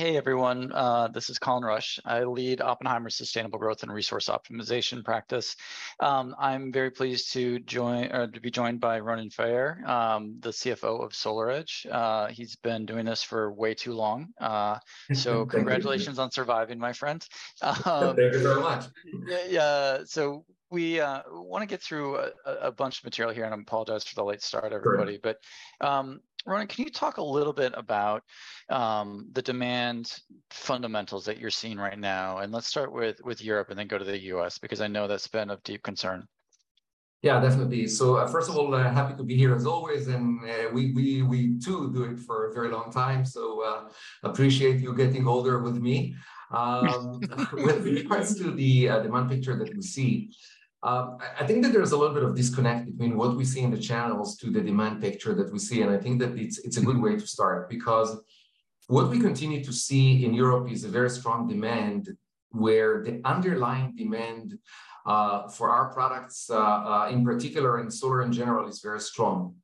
Hey, hey, everyone, this is Colin Rusch. I lead Oppenheimer's Sustainable Growth and Resource Optimization practice. I'm very pleased to join to be joined by Ronen Faier, the CFO of SolarEdge. He's been doing this for way too long. Thank you. Congratulations on surviving, my friend. Thank you very much. Yeah, yeah, We wanna get through a bunch of material here, and I apologize for the late start, everybody. Sure. Ronen, can you talk a little bit about the demand fundamentals that you're seeing right now? Let's start with, with Europe, and then go to the U.S., because I know that's been of deep concern. Yeah, definitely. First of all, happy to be here, as always, and we, we, we, too, do it for a very long time, so, appreciate you getting older with me. With regards to the demand picture that we see, I, I think that there's a little bit of disconnect between what we see in the channels to the demand picture that we see, and I think that it's, it's a good way to start. What we continue to see in Europe is a very strong demand, where the underlying demand for our products in particular, and solar in general, is very strong.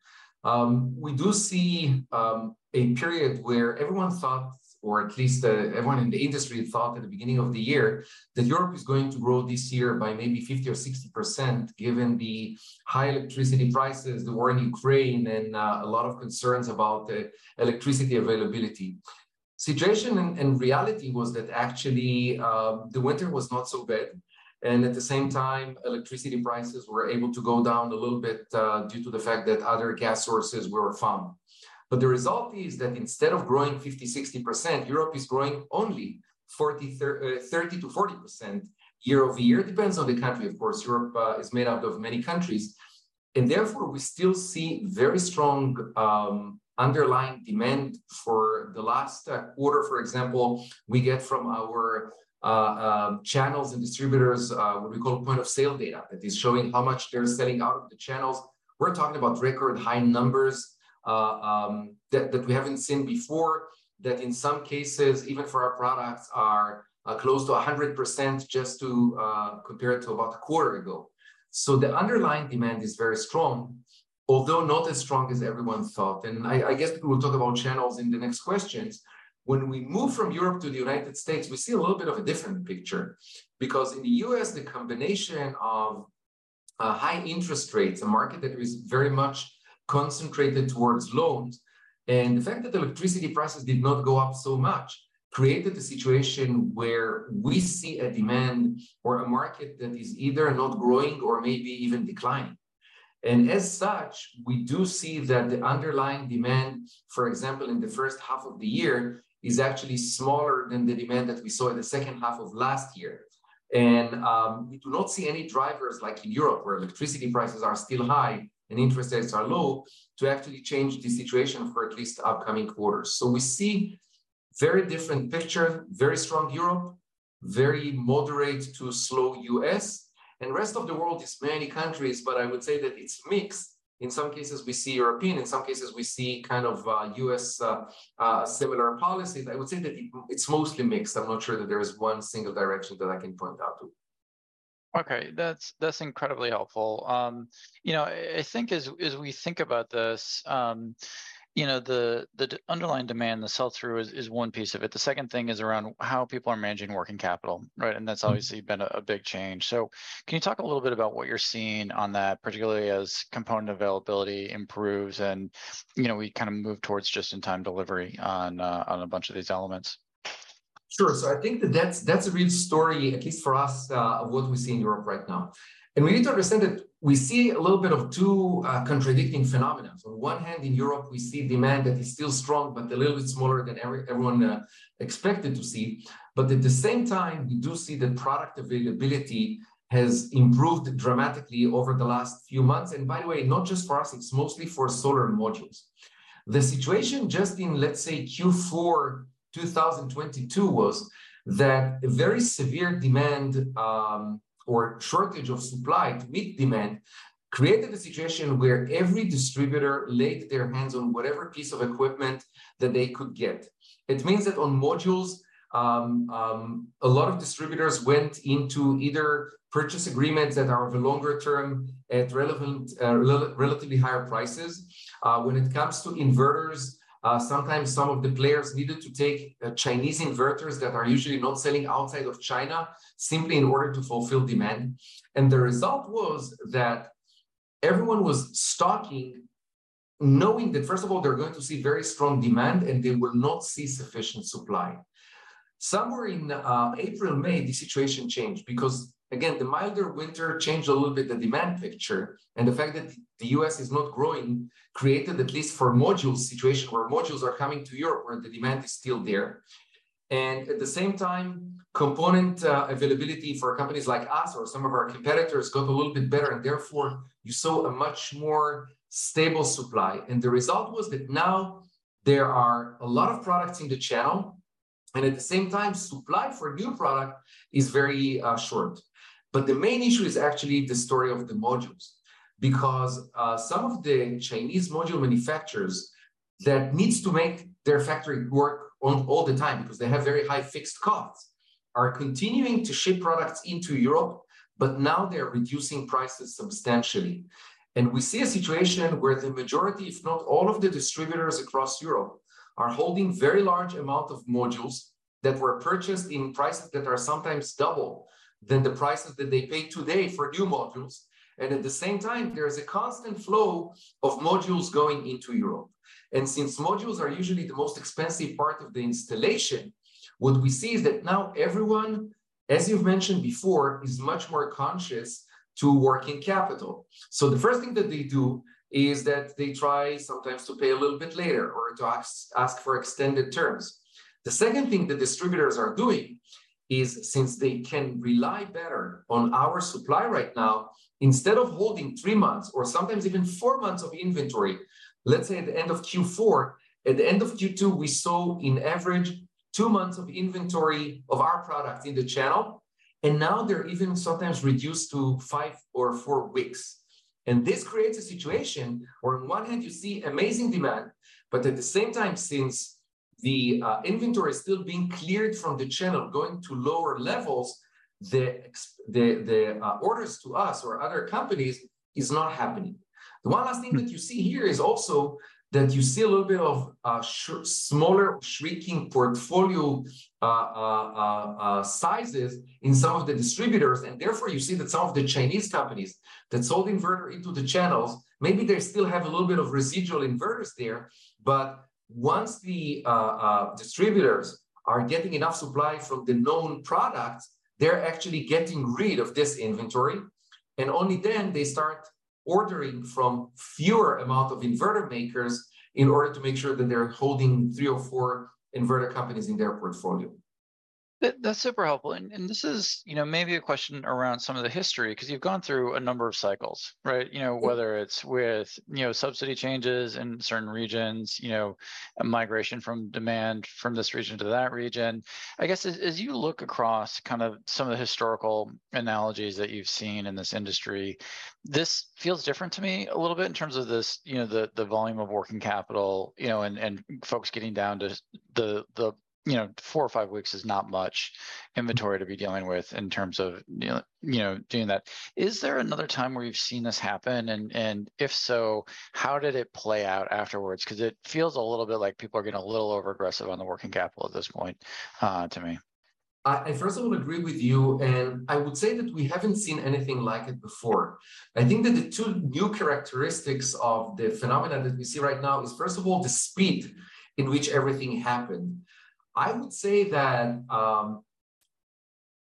We do see a period where everyone thought, or at least everyone in the industry thought at the beginning of the year, that Europe is going to grow this year by maybe 50% or 60%, given the high electricity prices, the war in Ukraine, and a lot of concerns about the electricity availability. Situation and reality was that actually the winter was not so bad, and at the same time, electricity prices were able to go down a little bit due to the fact that other gas sources were found. The result is that instead of growing 50%, 60%, Europe is growing only 40%, 30%-40% year-over-year. Depends on the country, of course. Europe is made up of many countries, and therefore, we still see very strong underlying demand. For the last quarter, for example, we get from our channels and distributors, what we call point-of-sale data, that is showing how much they're selling out of the channels. We're talking about record-high numbers, that, that we haven't seen before, that in some cases, even for our products, are close to 100% just to compare it to about a quarter ago. The underlying demand is very strong, although not as strong as everyone thought. Mm-hmm. I, I guess we'll talk about channels in the next questions. When we move from Europe to the United States, we see a little bit of a different picture. Because in the U.S., the combination of high interest rates, a market that is very much concentrated towards loans, and the fact that the electricity prices did not go up so much, created a situation where we see a demand or a market that is either not growing or maybe even declining. As such, we do see that the underlying demand, for example, in the first half of the year, is actually smaller than the demand that we saw in the second half of last year. We do not see any drivers like in Europe, where electricity prices are still high and interest rates are low, to actually change the situation for at least upcoming quarters. We see very different picture, very strong Europe, very moderate-to-slow U.S., and rest of the world is many countries, but I would say that it's mixed. In some cases we see European, in some cases we see kind of, US, similar policies. I would say that it's mostly mixed. I'm not sure that there is one single direction that I can point out to. Okay, that's, that's incredibly helpful. You know, I, I think as, as we think about this, you know, the, the underlying demand, the sell-through is, is one piece of it. The second thing is around how people are managing working capital, right? Mm-hmm. That's obviously been a, a big change. Can you talk a little bit about what you're seeing on that, particularly as component availability improves and, you know, we kinda move towards just-in-time delivery on a bunch of these elements? Sure. I think that that's, that's a real story, at least for us, of what we see in Europe right now. We need to understand that we see a little bit of two contradicting phenomenons. On one hand, in Europe, we see demand that is still strong, but a little bit smaller than everyone expected to see. At the same time, we do see that product availability has improved dramatically over the last few months, and by the way, not just for us, it's mostly for solar modules. The situation just in, let's say, Q4 2022, was that a very severe demand, or shortage of supply to meet demand, created a situation where every distributor laid their hands on whatever piece of equipment that they could get. It means that on modules, a lot of distributors went into either purchase agreements that are of a longer term, at relevant, relatively higher prices. When it comes to inverters, sometimes some of the players needed to take Chinese inverters that are usually not selling outside of China, simply in order to fulfill demand. The result was that everyone was stocking, knowing that, first of all, they're going to see very strong demand, and they will not see sufficient supply. Somewhere in April, May, the situation changed, because again, the milder winter changed a little bit the demand picture, and the fact that the U.S. is not growing, created, at least for modules, situation where modules are coming to Europe, where the demand is still there. At the same time, component availability for companies like us or some of our competitors, got a little bit better, and therefore, you saw a much more stable supply. The result was that now there are a lot of products in the channel, and at the same time, supply for new product is very short. The main issue is actually the story of the modules, because some of the Chinese module manufacturers that needs to make their factory work on all the time, because they have very high fixed costs, are continuing to ship products into Europe, but now they're reducing prices substantially. We see a situation where the majority, if not all of the distributors across Europe, are holding very large amount of modules that were purchased in prices that are sometimes double than the prices that they pay today for new modules. At the same time, there is a constant flow of modules going into Europe. Since modules are usually the most expensive part of the installation, what we see is that now everyone, as you've mentioned before, is much more conscious to working capital. The first thing that they do is that they try sometimes to pay a little bit later or to ask, ask for extended terms. The second thing the distributors are doing is, since they can rely better on our supply right now, instead of holding three months or sometimes even four months of inventory, let's say at the end of Q4, at the end of Q2, we saw an average two months of inventory of our product in the channel, and now they're even sometimes reduced to five or four weeks. This creates a situation where on one hand you see amazing demand, but at the same time, since the inventory is still being cleared from the channel, going to lower levels, the orders to us or other companies is not happening. The one last thing that you see here is also that you see a little bit of smaller, shrinking portfolio sizes in some of the distributors. Therefore, you see that some of the Chinese companies that sold inverter into the channels, maybe they still have a little bit of residual inverters there, but once the distributors are getting enough supply from the known products, they're actually getting rid of this inventory, and only then they start ordering from fewer amount of inverter makers in order to make sure that they're holding three or four inverter companies in their portfolio. That, that's super helpful, and, and this is, you know, maybe a question around some of the history, 'cause you've gone through a number of cycles, right? You know, Yeah Whether it's with, you know, subsidy changes in certain regions, you know, a migration from demand from this region to that region. I guess as, as you look across kind of some of the historical analogies that you've seen in this industry, this feels different to me a little bit in terms of this, you know, the, the volume of working capital, you know, and, and folks getting down to the, the, you know, four or five weeks is not much inventory... Mm To be dealing with in terms of, you know, you know, doing that. Is there another time where you've seen this happen? And if so, how did it play out afterwards? 'Cause it feels a little bit like people are getting a little overaggressive on the working capital at this point, to me. I first of all agree with you, I would say that we haven't seen anything like it before. I think that the two new characteristics of the phenomena that we see right now is, first of all, the speed in which everything happened. I would say that,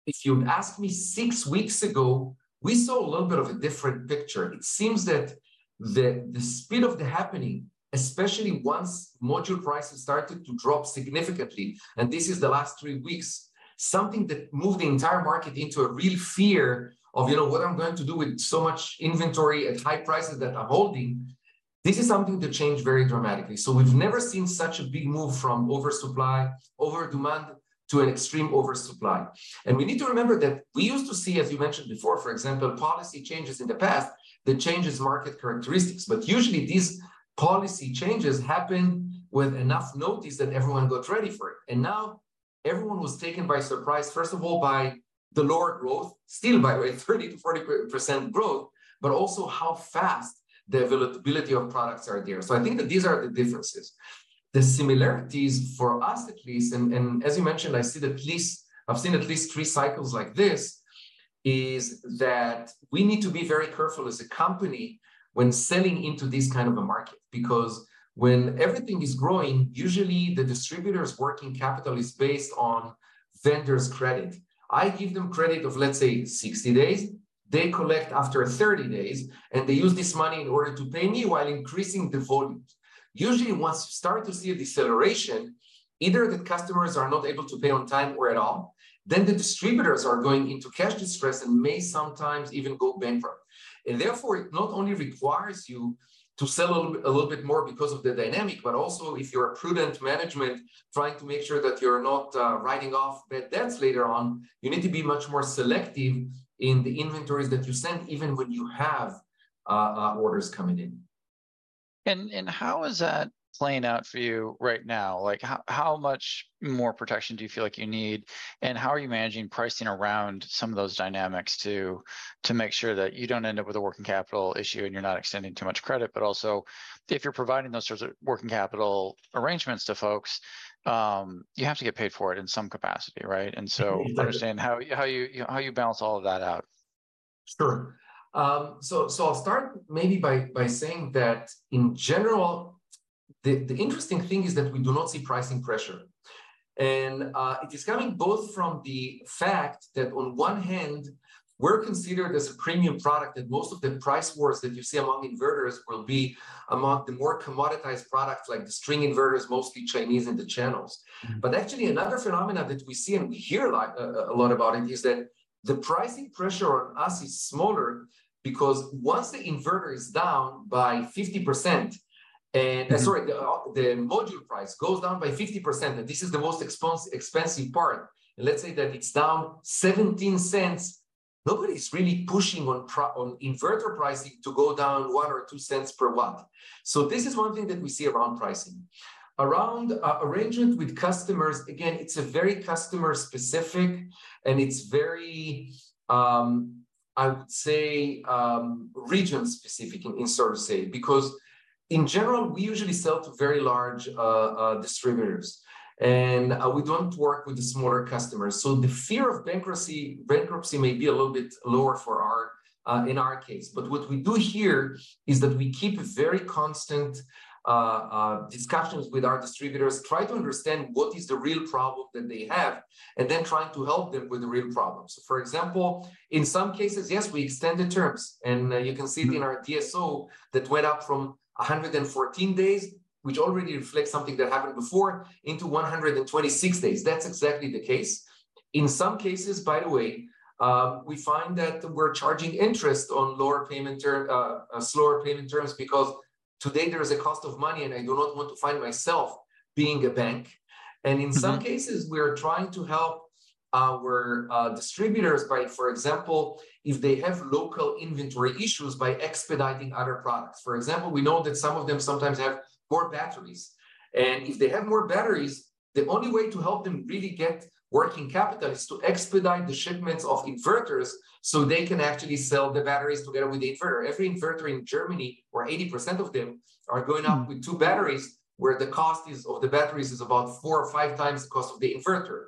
if you'd asked me six weeks ago, we saw a little bit of a different picture. It seems that the speed of the happening, especially once module prices started to drop significantly, this is the last three weeks, something that moved the entire market into a real fear of, you know, "What I'm going to do with so much inventory at high prices that I'm holding?" This is something that changed very dramatically. We've never seen such a big move from oversupply, over-demand to an extreme oversupply. We need to remember that we used to see, as you mentioned before, for example, policy changes in the past that changes market characteristics, but usually these policy changes happen with enough notice that everyone got ready for it. Now, everyone was taken by surprise, first of all, by the lower growth, still by the way, 30%-40% growth, but also how fast the availability of products are there. I think that these are the differences. The similarities, for us at least, and, as you mentioned, I see at least... I've seen at least three cycles like this, is that we need to be very careful as a company when selling into this kind of a market. Because when everything is growing, usually the distributor's working capital is based on vendor's credit. I give them credit of, let's say, 60 days. They collect after 30 days, and they use this money in order to pay me while increasing the volumes. Usually, once you start to see a deceleration, either the customers are not able to pay on time or at all, then the distributors are going into cash distress and may sometimes even go bankrupt. Therefore, it not only requires you to sell a little bit more because of the dynamic, but also, if you're a prudent management, trying to make sure that you're not writing off bad debts later on, you need to be much more selective in the inventories that you send, even when you have orders coming in. How is that playing out for you right now? Like, how, how much more protection do you feel like you need, and how are you managing pricing around some of those dynamics to, to make sure that you don't end up with a working capital issue and you're not extending too much credit? Also, if you're providing those sorts of working capital arrangements to folks, you have to get paid for it in some capacity, right? Mm-hmm. I'm understanding how, how you, you know, how you balance all of that out. Sure. So I'll start maybe by, by saying that in general, the, the interesting thing is that we do not see pricing pressure. It is coming both from the fact that on one hand, we're considered as a premium product, and most of the price wars that you see among inverters will be among the more commoditized products, like the string inverters, mostly Chinese in the channels. Mm. Actually, another phenomena that we see, and we hear like a lot about it, is that the pricing pressure on us is smaller because once the inverter is down by 50%, and sorry, the module price goes down by 50%, and this is the most expensive part, and let's say that it's down $0.17, nobody's really pushing on inverter pricing to go down $0.01-$0.02 per watt. This is one thing that we see around pricing. Around arrangement with customers, again, it's a very customer-specific, and it's very, I would say, region-specific in, so to say, because in general, we usually sell to very large distributors, and we don't work with the smaller customers. The fear of bankruptcy, bankruptcy may be a little bit lower for our in our case. What we do here is that we keep very constant discussions with our distributors, try to understand what is the real problem that they have, and then trying to help them with the real problems. For example, in some cases, yes, we extend the terms, and you can see it in our DSO, that went up from 114 days, which already reflects something that happened before, into 126 days. That's exactly the case. In some cases, by the way, we find that we're charging interest on lower payment term, slower payment terms, because today there is a cost of money, and I do not want to find myself being a bank. Mm-hmm. In some cases, we are trying to help our distributors by, for example, if they have local inventory issues, by expediting other products. For example, we know that some of them sometimes have more batteries, and if they have more batteries, the only way to help them really get working capital is to expedite the shipments of inverters, so they can actually sell the batteries together with the inverter. Every inverter in Germany, or 80% of them, are going out. Mm With two batteries, where the cost is, of the batteries is about four or five times the cost of the inverter.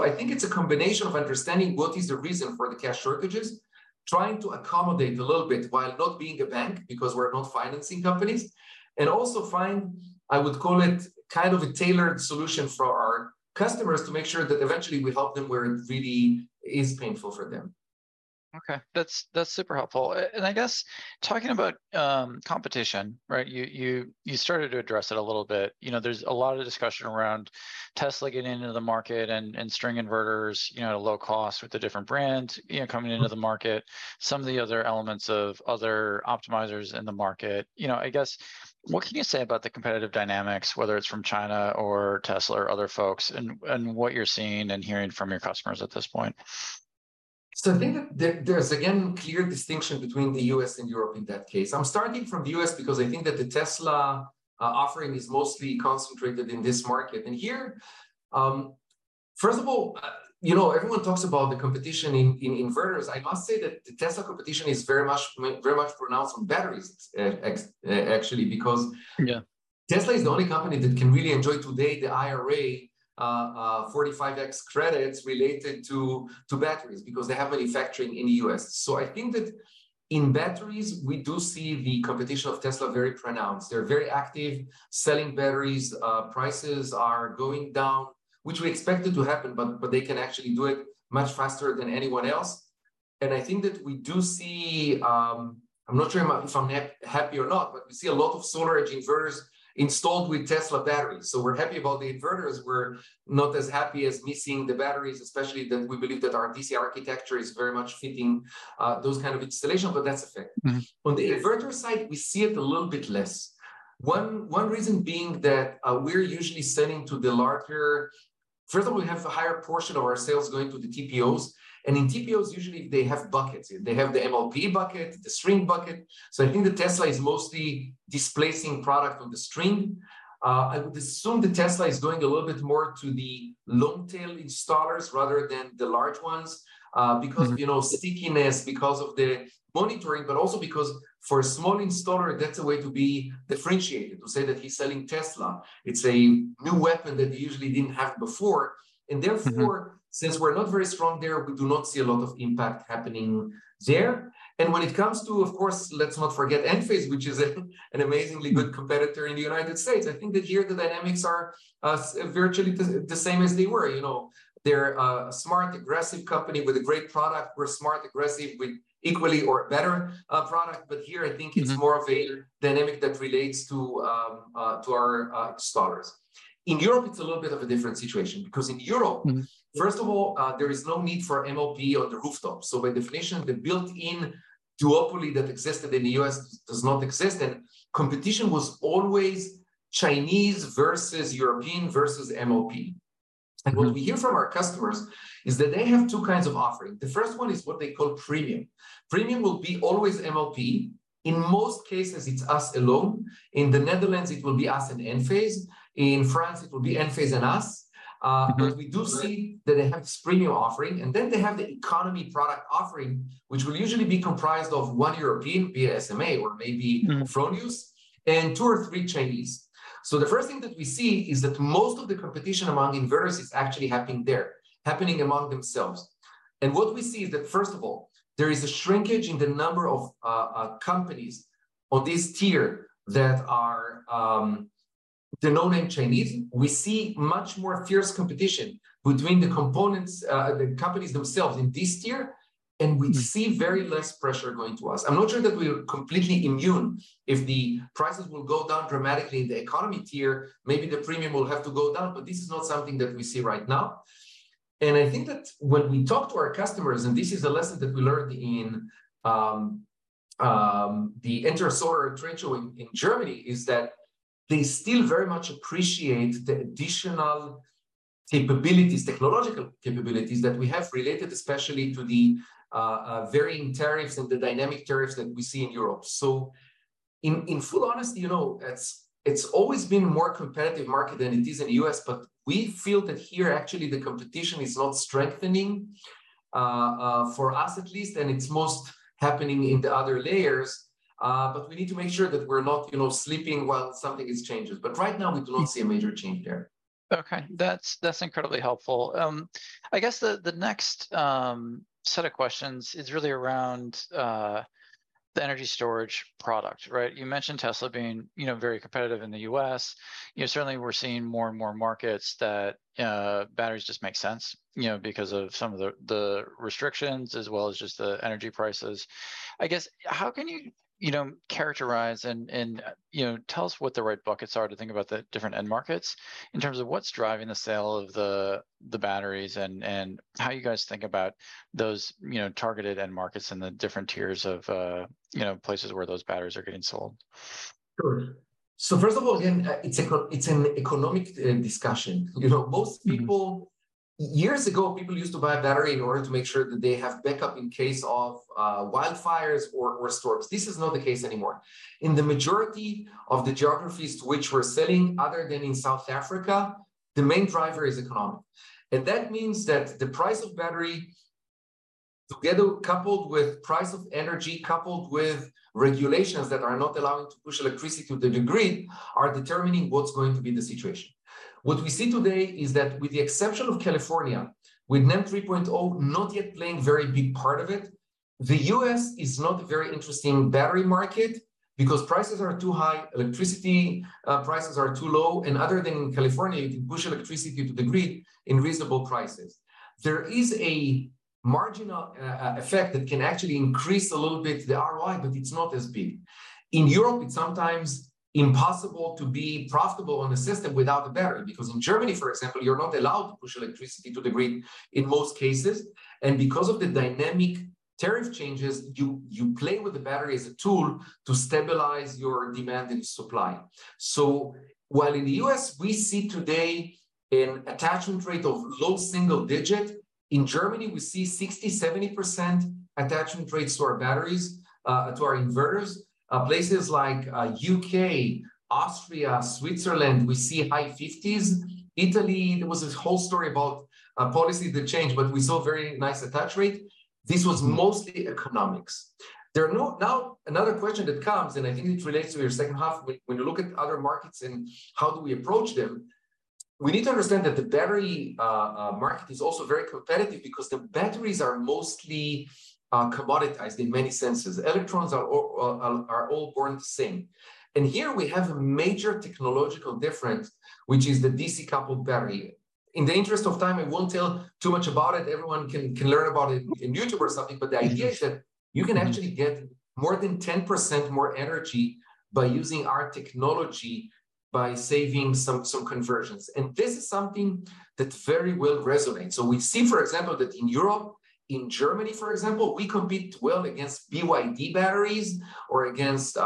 I think it's a combination of understanding what is the reason for the cash shortages, trying to accommodate a little bit, while not being a bank, because we're not financing companies. Also find, I would call it, kind of a tailored solution for our customers, to make sure that eventually we help them where it really is painful for them. Okay, that's, that's super helpful. I guess talking about competition, right? You started to address it a little bit. You know, there's a lot of discussion around Tesla getting into the market and string inverters, you know, low cost with the different brands, you know, coming into the market. Mm. Some of the other elements of other optimizers in the market. You know, I guess, what can you say about the competitive dynamics, whether it's from China or Tesla or other folks, and, and what you're seeing and hearing from your customers at this point? I think that there, there's, again, clear distinction between the U.S. and Europe in that case. I'm starting from the U.S. because I think that the Tesla offering is mostly concentrated in this market. Here, first of all, you know, everyone talks about the competition in inverters. I must say that the Tesla competition is very much very much pronounced on batteries, actually, because- Yeah Tesla is the only company that can really enjoy today the IRA, 45X credits related to, to batteries, because they have manufacturing in the U.S. I think that in batteries, we do see the competition of Tesla very pronounced. They're very active, selling batteries, prices are going down, which we expected to happen, but they can actually do it much faster than anyone else. I think that we do see, I'm not sure if I'm happy or not, but we see a lot of SolarEdge inverters installed with Tesla batteries. We're happy about the inverters. We're not as happy as me seeing the batteries, especially that we believe that our DC architecture is very much fitting, those kind of installations, but that's a fact. Mm. On the inverter side, we see it a little bit less. One, one reason being that, we're usually selling to the larger... First of all, we have a higher portion of our sales going to the TPOs, and in TPOs, usually they have buckets. They have the MLPE bucket, the string bucket. I think that Tesla is mostly displacing product on the string. I would assume that Tesla is going a little bit more to the long-tail installers rather than the large ones. Mm. Because, you know, stickiness, because of the monitoring, but also because for a small installer, that's a way to be differentiated, to say that he's selling Tesla. It's a new weapon that he usually didn't have before. Mm-hmm. Therefore, since we're not very strong there, we do not see a lot of impact happening there. When it comes to, of course, let's not forget Enphase, which is an amazingly good competitor in the United States. I think that here the dynamics are virtually the same as they were. You know, they're a smart, aggressive company with a great product. We're smart, aggressive, with equally or better product, but here I think, Mm It's more of a dynamic that relates to our starters. In Europe, it's a little bit of a different situation, because in Europe- Mm first of all, there is no need for MLPE on the rooftop. By definition, the built-in duopoly that existed in the U.S. does not exist, and competition was always Chinese versus European versus MLPE. Mm. What we hear from our customers is that they have two kinds of offering. The first one is what they call premium. Premium will be always MLPE. In most cases, it's us alone. In the Netherlands, it will be us and Enphase. In France, it will be Enphase and us. Mm. We do see that they have this premium offering, and then they have the economy product offering, which will usually be comprised of one European, be it SMA or maybe. Mm Fronius, and two or three Chinese. The first thing that we see is that most of the competition among inverters is actually happening there, happening among themselves. What we see is that, first of all, there is a shrinkage in the number of companies on this tier that are the no-name Chinese. We see much more fierce competition between the components, the companies themselves in this tier. Mm And we see very less pressure going to us. I'm not sure that we're completely immune. If the prices will go down dramatically in the economy tier, maybe the premium will have to go down, but this is not something that we see right now. I think that when we talk to our customers, and this is a lesson that we learned in. the Intersolar trade show in Germany is that they still very much appreciate the additional capabilities, technological capabilities that we have related, especially to the varying tariffs and the dynamic tariffs that we see in Europe. In, in full honesty, you know, it's, it's always been a more competitive market than it is in the U.S., but we feel that here, actually, the competition is not strengthening for us at least, and it's most happening in the other layers. We need to make sure that we're not, you know, sleeping while something is changing. Right now, we do not see a major change there. Okay. That's, that's incredibly helpful. I guess the, the next set of questions is really around the energy storage product, right? You mentioned Tesla being, you know, very competitive in the U.S. You know, certainly we're seeing more and more markets that batteries just make sense, you know, because of some of the, the restrictions as well as just the energy prices. I guess, how can you, you know, characterize and, and, you know, tell us what the right buckets are to think about the different end markets in terms of what's driving the sale of the, the batteries, and, and how you guys think about those, you know, targeted end markets and the different tiers of, you know, places where those batteries are getting sold? Sure. first of all, again, it's an economic discussion. Mm-hmm. You know, most people, Years ago, people used to buy a battery in order to make sure that they have backup in case of wildfires or, or storms. This is not the case anymore. In the majority of the geographies to which we're selling, other than in South Africa, the main driver is economy, and that means that the price of battery, together coupled with price of energy, coupled with regulations that are not allowing to push electricity to the grid, are determining what's going to be the situation. What we see today is that with the exception of California, with NEM 3.0 not yet playing a very big part of it, the U.S. is not a very interesting battery market because prices are too high, electricity prices are too low, and other than in California, you can push electricity to the grid in reasonable prices. There is a marginal effect that can actually increase a little bit the ROI, but it's not as big. In Europe, it's sometimes impossible to be profitable on a system without a battery, because in Germany, for example, you're not allowed to push electricity to the grid in most cases, and because of the dynamic tariff changes, you, you play with the battery as a tool to stabilize your demand and supply. While in the U.S. we see today an attachment rate of low single digit, in Germany, we see 60%, 70% attachment rates to our batteries, to our inverters. Places like U.K., Austria, Switzerland, we see high 50s. Italy, there was this whole story about policy that changed, but we saw very nice attach rate. Mm. This was mostly economics. There are now, another question that comes, and I think it relates to your second half, when, when you look at other markets and how do we approach them, we need to understand that the battery market is also very competitive because the batteries are mostly commoditized in many senses. Electrons are all are all born the same. Here we have a major technological difference, which is the DC-coupled battery. In the interest of time, I won't tell too much about it. Everyone can, can learn about it in YouTube or something. Mm-hmm. The idea is that you can actually get more than 10% more energy by using our technology, by saving some, some conversions, and this is something that very well resonates. We see, for example, that in Europe, in Germany, for example, we compete well against BYD batteries or against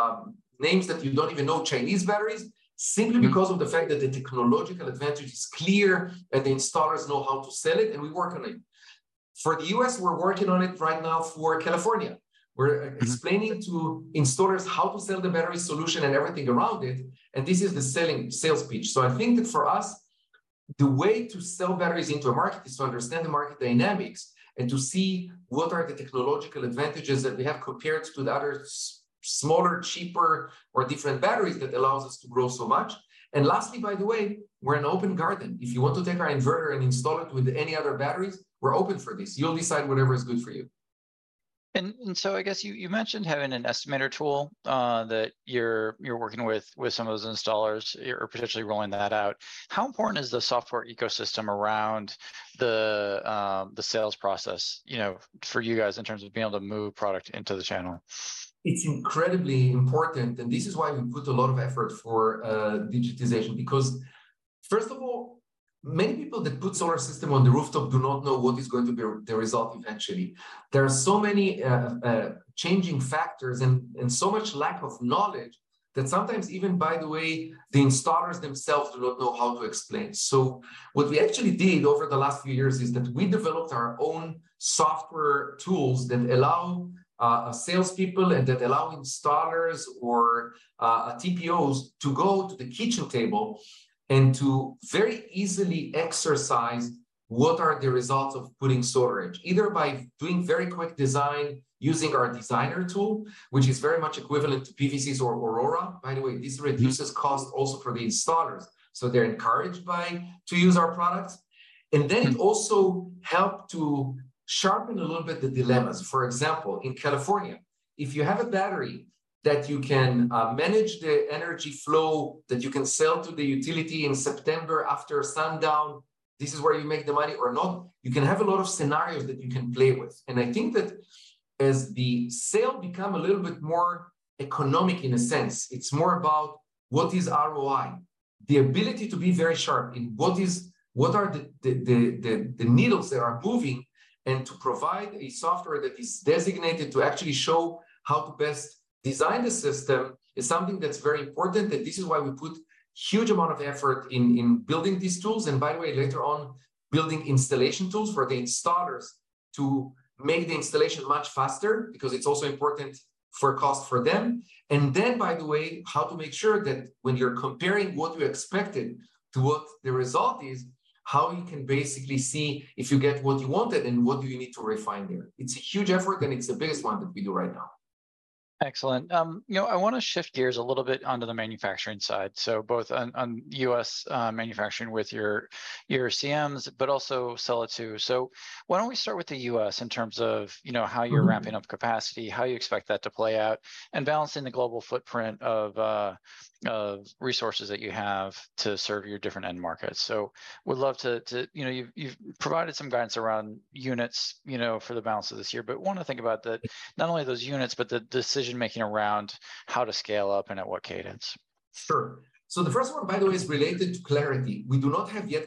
names that you don't even know, Chinese batteries... Mm Simply because of the fact that the technological advantage is clear, and the installers know how to sell it, and we work on it. For the U.S., we're working on it right now for California. Mm. We're explaining to installers how to sell the battery solution and everything around it, and this is the selling sales pitch. I think that for us, the way to sell batteries into a market is to understand the market dynamics, and to see what are the technological advantages that we have compared to the other smaller, cheaper, or different batteries that allows us to grow so much. Lastly, by the way, we're an open garden. If you want to take our inverter and install it with any other batteries, we're open for this. You'll decide whatever is good for you. I guess you, you mentioned having an estimator tool that you're, you're working with, with some of those installers or potentially rolling that out. How important is the software ecosystem around the the sales process, you know, for you guys in terms of being able to move product into the channel? It's incredibly important, and this is why we put a lot of effort for digitization, because first of all, many people that put solar system on the rooftop do not know what is going to be the, the result eventually. There are so many changing factors and, and so much lack of knowledge, that sometimes even, by the way, the installers themselves do not know how to explain. What we actually did over the last few years is that we developed our own software tools that allow salespeople and that allow installers or TPOs to go to the kitchen table and to very easily exercise what are the results of putting storage, either by doing very quick design, using our Designer tool, which is very much equivalent to PVsyst or Aurora. This reduces cost also for the installers, so they're encouraged to use our products. It also helped to sharpen a little bit the dilemmas. For example, in California, if you have a battery that you can manage the energy flow, that you can sell to the utility in September after sundown, this is where you make the money or not. You can have a lot of scenarios that you can play with, and I think that as the sale become a little bit more economic, in a sense, it's more about what is ROI? The ability to be very sharp in what is, what are the needles that are moving, and to provide a software that is designated to actually show how to best design the system, is something that's very important. This is why we put huge amount of effort in, in building these tools, and by the way, later on, building installation tools for the installers to make the installation much faster, because it's also important for cost for them. Then, by the way, how to make sure that when you're comparing what you expected to what the result is, how you can basically see if you get what you wanted, and what do you need to refine there? It's a huge effort, and it's the biggest one that we do right now. Excellent. you know, I wanna shift gears a little bit onto the manufacturing side. Both on, on U.S. manufacturing with your, your CMs, but also Sella two. Why don't we start with the U.S. in terms of, you know, how Mm You're ramping up capacity, how you expect that to play out, and balancing the global footprint of resources that you have to serve your different end markets. Would love to, to, you know, you've, you've provided some guidance around units, you know, for the balance of this year, but wanna think about the, not only those units, but the decision-making around how to scale up and at what cadence. Sure. The first one, by the way, is related to clarity. We do not have yet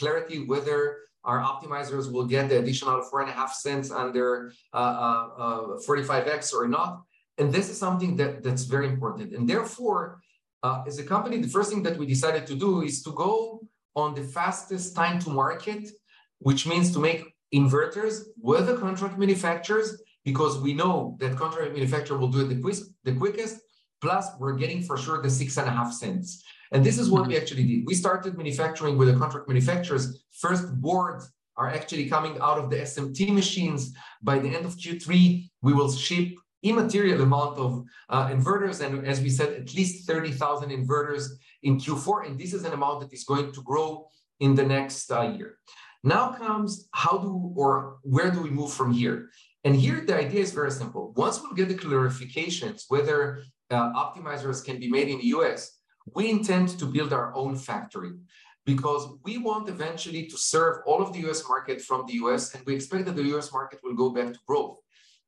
clarity whether our optimizers will get the additional $0.045 under 45X or not, and this is something that, that's very important. Therefore, as a company, the first thing that we decided to do is to go on the fastest time to market, which means to make inverters with the contract manufacturers, because we know that contract manufacturer will do it the quickest, plus we're getting for sure the $0.065. Mm. This is what we actually did. We started manufacturing with the contract manufacturers. First boards are actually coming out of the SMT machines. By the end of Q3, we will ship immaterial amount of inverters, and as we said, at least 30,000 inverters in Q4, and this is an amount that is going to grow in the next year. Now comes how do, or where do we move from here? Here, the idea is very simple. Once we get the clarifications whether optimizers can be made in the U.S., we intend to build our own factory, because we want eventually to serve all of the US market from the U.S., and we expect that the US market will go back to growth.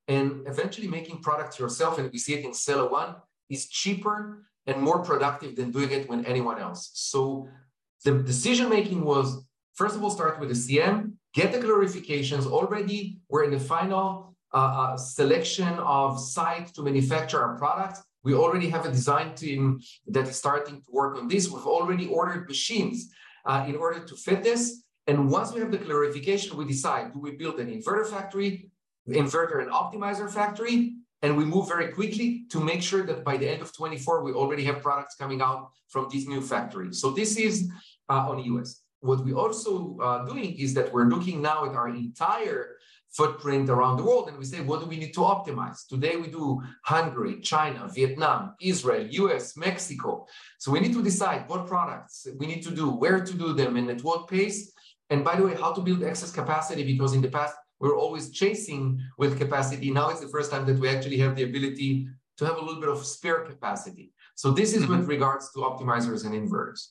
Eventually making products yourself, and we see it in Sella one, is cheaper and more productive than doing it with anyone else. The decision-making was, first of all, start with the CM, get the clarifications. Already we're in the final selection of site to manufacture our products. We already have a design team that is starting to work on this. We've already ordered machines in order to fit this, and once we have the clarification, we decide, do we build an inverter factory, inverter and optimizer factory? We move very quickly to make sure that by the end of 2024, we already have products coming out from these new factories. This is on the U.S. What we're also doing, is that we're looking now at our entire footprint around the world, and we say, "What do we need to optimize?" Today, we do Hungary, China, Vietnam, Israel, U.S., Mexico. We need to decide what products we need to do, where to do them, and at what pace, and by the way, how to build excess capacity, because in the past, we were always chasing with capacity. Now, it's the first time that we actually have the ability to have a little bit of spare capacity. Mm-hmm. This is with regards to optimizers and inverters.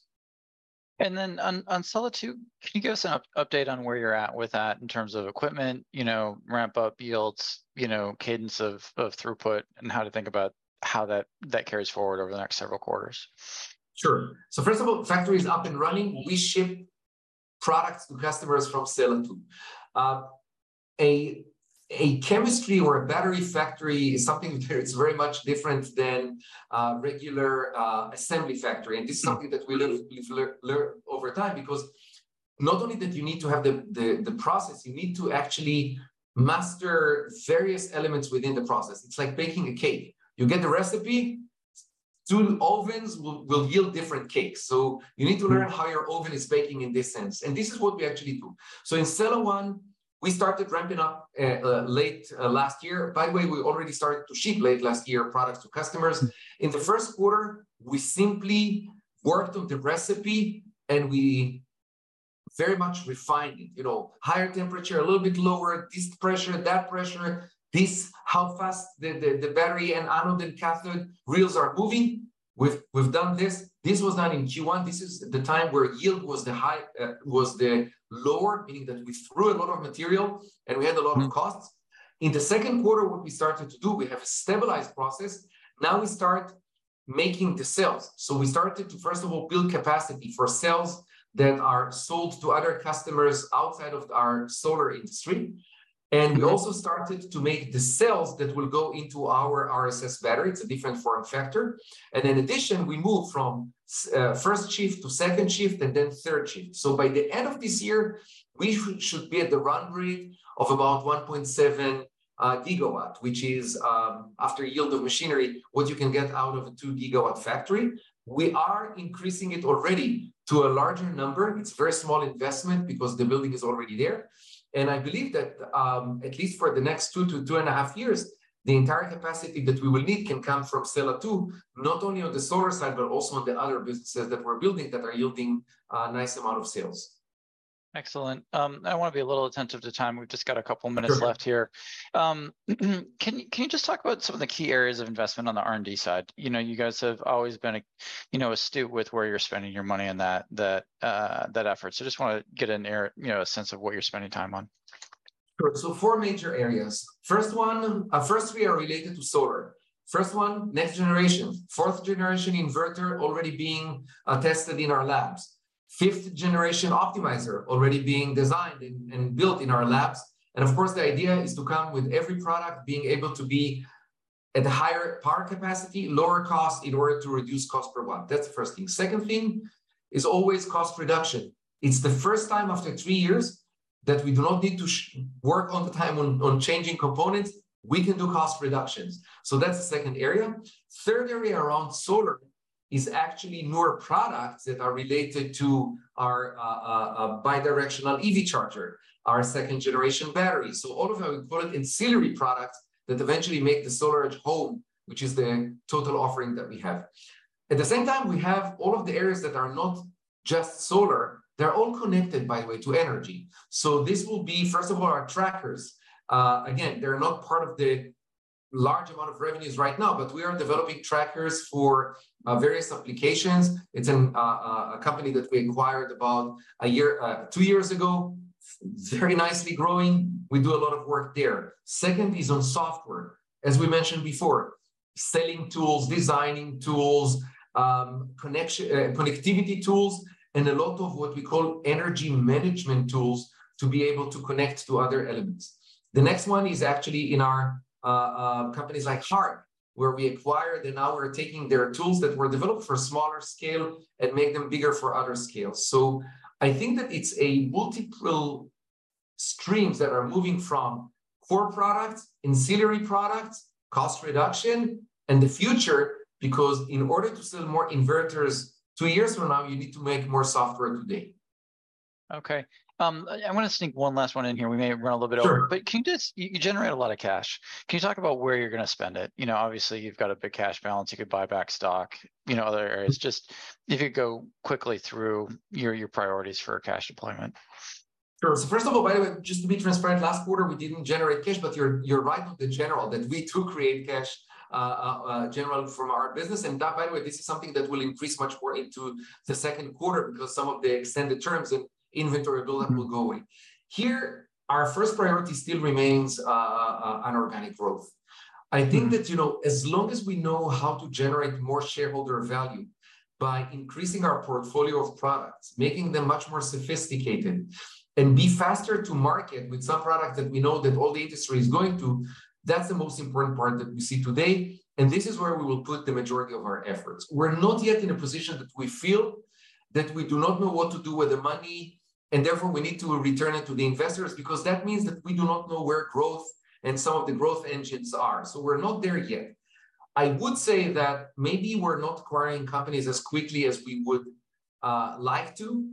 Then on, on Sella two, can you give us an update on where you're at with that in terms of equipment, you know, ramp up yields, you know, cadence of, of throughput, and how to think about how that, that carries forward over the next several quarters? Sure. First of all, factory is up and running. We ship products to customers from Sella two. A chemistry or a battery factory is something that is very much different than a regular assembly factory. Mm. This is something that we learned over time, because not only that you need to have the process, you need to actually master various elements within the process. It's like baking a cake. You get the recipe, two ovens will yield different cakes. Mm. You need to learn how your oven is baking in this sense, and this is what we actually do. In Sella one, we started ramping up late last year. By the way, we already started to ship late last year, products to customers. Mm. In the first quarter, we simply worked on the recipe, and we very much refining, you know, higher temperature, a little bit lower, this pressure, that pressure, this, how fast the, the, the battery and anode and cathode reels are moving. We've, we've done this. This was done in Q1. This is the time where yield was the high, was the lower, meaning that we threw a lot of material, and we had a lot of- Mm Costs. In the second quarter, what we started to do, we have a stabilized process, now we start making the cells. We started to, first of all, build capacity for cells that are sold to other customers outside of our solar industry. Mm. We also started to make the cells that will go into our RSS battery. It's a different form factor, and in addition, we moved from first shift to second shift, and then third shift. By the end of this year, we should be at the run rate of about 1.7 GW, which is, after yield of machinery, what you can get out of a 2 GW factory. We are increasing it already to a larger number. It's very small investment, because the building is already there, and I believe that, at least for the next two to 2.5 years, the entire capacity that we will need can come from Sella two, not only on the solar side, but also on the other businesses that we're building that are yielding a nice amount of sales. Excellent. I wanna be a little attentive to time. We've just got a couple minutes- Sure Left here. Can, can you just talk about some of the key areas of investment on the R&D side? You know, you guys have always been, you know, astute with where you're spending your money on that, that, that effort. Just wanna get an air, you know, a sense of what you're spending time on. Four major areas. First one, first, we are related to solar. First one, next generation. 4th-generation inverter already being tested in our labs. 5th-generation optimizer already being designed and built in our labs. And of course, the idea is to come with every product being able to be at a higher power capacity, lower cost, in order to reduce cost per watt. That's the first thing. Second thing is always cost reduction. It's the first time after three years that we do not need to work all the time on changing components, we can do cost reductions. That's the second area. Third area around solar is actually more products that are related to our bidirectional EV charger, our second-generation battery. All of our, we call it ancillary products, that eventually make the SolarEdge Home, which is the total offering that we have. At the same time, we have all of the areas that are not just solar, they're all connected, by the way, to energy. This will be, first of all, our trackers. Again, they're not part of the large amount of revenues right now, but we are developing trackers for various applications. It's an a company that we acquired about one year, two years ago. Very nicely growing. We do a lot of work there. Second is on software. As we mentioned before, selling tools, designing tools, connection... connectivity tools, and a lot of what we call energy management tools to be able to connect to other elements. The next one is actually in our companies like Hark, where we acquired, and now we're taking their tools that were developed for smaller scale and make them bigger for other scales. I think that it's a multiple streams that are moving from core products, ancillary products, cost reduction, and the future, because in order to sell more inverters two years from now, you need to make more software today. Okay. I- I wanna sneak one last one in here. We may have run a little bit over- Sure. You generate a lot of cash. Can you talk about where you're gonna spend it? You know, obviously, you've got a big cash balance. You could buy back stock, you know, other areas. Mm. Just if you could go quickly through your priorities for cash deployment. Sure. First of all, by the way, just to be transparent, last quarter, we didn't generate cash, but you're, you're right in general, that we do create cash, generally from our business. That, by the way, this is something that will increase much more into the second quarter because some of the extended terms and inventory build-out... Mm Will go in. Here, our first priority still remains, organic growth. Mm. I think that, you know, as long as we know how to generate more shareholder value by increasing our portfolio of products, making them much more sophisticated, and be faster to market with some product that we know that all the industry is going to, that's the most important part that we see today, and this is where we will put the majority of our efforts. We're not yet in a position that we feel that we do not know what to do with the money, and therefore, we need to return it to the investors, because that means that we do not know where growth and some of the growth engines are. We're not there yet. I would say that maybe we're not acquiring companies as quickly as we would like to.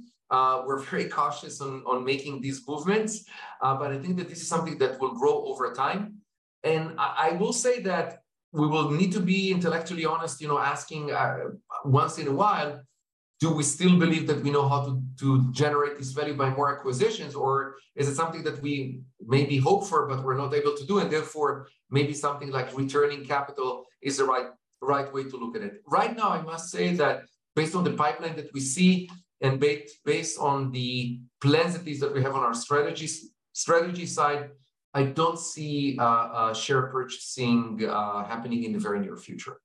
We're very cautious on, on making these movements, but I think that this is something that will grow over time. I, I will say that we will need to be intellectually honest, you know, asking once in a while, "Do we still believe that we know how to, to generate this value by more acquisitions? Or is it something that we maybe hope for, but we're not able to do, and therefore, maybe something like returning capital is the right, the right way to look at it?" Right now, I must say that based on the pipeline that we see and based on the plans at least that we have on our strategy, strategy side, I don't see share purchasing happening in the very near future.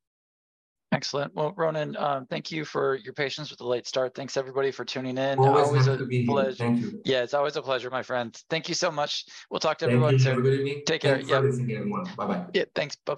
Excellent. Well, Ronan, thank you for your patience with the late start. Thanks everybody for tuning in. Always happy to be here. Always a pleasure. Thank you. Yeah, it's always a pleasure, my friend. Thank you so much. We'll talk to everyone soon. Thank you, have a good evening. Take care, yeah. Thanks again, everyone. Bye-bye. Yeah, thanks. Bye-bye.